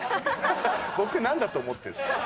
僕なんだと思ってるんですか。